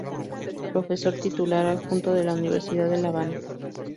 Profesor Titular Adjunto de la Universidad de La Habana.